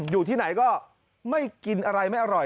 อยู่ที่ไหนก็ไม่กินอะไรไม่อร่อย